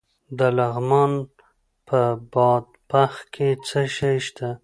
د لغمان په بادپخ کې څه شی شته؟